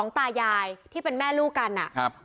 ตายายที่เป็นแม่ลูกกันอ่ะครับ